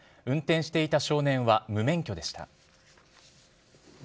運転していた少年は無免許でした。